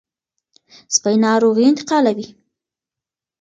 سپي ناروغي انتقالوي.